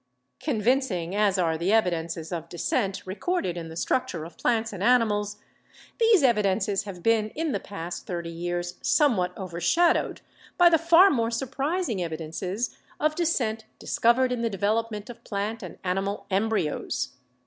Convincing as are the evidences of descent recorded in the structure of plants and animals, these evidences have been in the past thirty years somewhat over shadowed by the far more surprising evidences of descent discovered in the development of plant and animal em bryos.